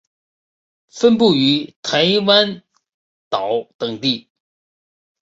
分布于台湾岛等地。